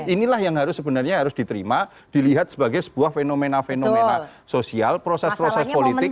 inilah yang harus sebenarnya harus diterima dilihat sebagai sebuah fenomena fenomena sosial proses proses politik